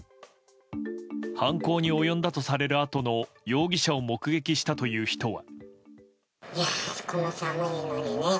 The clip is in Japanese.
犯行に及んだとされるあとの容疑者を目撃したという人は。